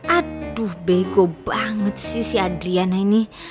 aduh bego banget sih si adriana ini